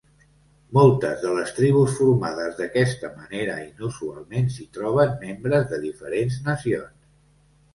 Moltes de les tribus formades d'aquesta manera inusualment s'hi troben membres de diferents nacions.